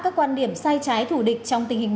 các quan điểm sai trái thủ địch trong tình hình